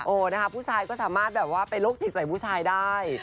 นะคะผู้ชายก็สามารถแบบว่าไปโรคจิตใส่ผู้ชายได้